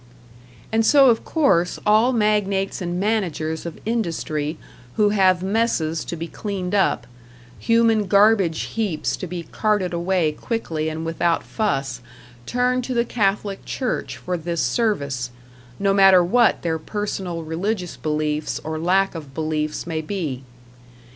And so of course all magnates and managers of industry who have messes to be cleaned up, human garbage heaps to be carted away quickly and without fuss, turn to the Catholic Church for this service, no matter what their personal religious beliefs or lack of beliefs may be.